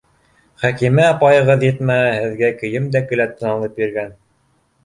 Хәкимә апайығыҙ, етмәһә һеҙгә кейем дә келәттән алып биргән.